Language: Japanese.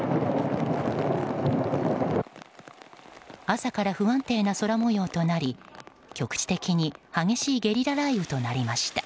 朝から不安定な空模様となり局地的に激しいゲリラ雷雨となりました。